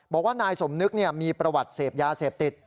บอกว่านายสมนึกมีประวัติเสพยาเสพติด